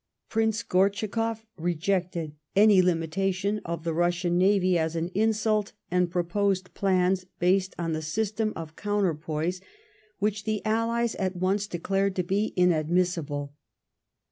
Prince GortschakoflF rejected any limitation of the Bussian navy as an insult, and proposed plans based on the system of n^ounterpoise which the Allies at once declared to be inadmissible.